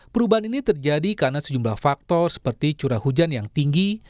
perubahan ini terjadi karena sejumlah faktor seperti curah hujan yang tinggi